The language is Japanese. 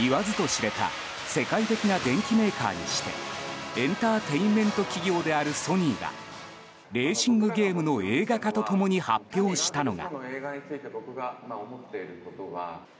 言わずと知れた世界的な電機メーカーにしてエンターテインメント企業であるソニーがレーシングゲームの映画化と共に発表したのが。